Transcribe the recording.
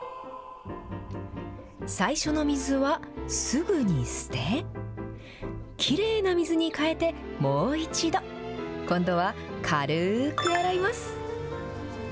最初の水はすぐに捨て、きれいな水に変えて、もう一度。今度は軽ーく洗います。